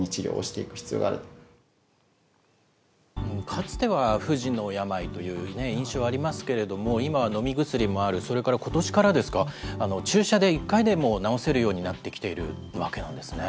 かつては不治の病という印象ありますけれども、今は飲み薬もある、それからことしからですか、注射で１回でも治せるようになってきてるわけなんですね。